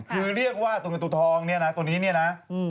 คือเรียกว่าตัวเงินตัวทองเนี่ยนะตัวนี้เนี่ยนะ